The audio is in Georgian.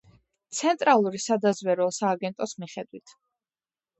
ცენტრალური სადაზვერვო სააგენტოს მიხედვით.